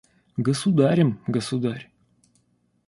Государем, Государь.